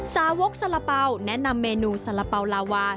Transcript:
ซาโว๊คซาละเปาแนะนำเมนูซาละเปาลาวา